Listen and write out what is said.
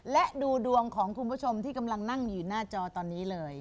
และดูดวงของคุณผู้ชมที่กำลังนั่งอยู่หน้าจอตอนนี้เลย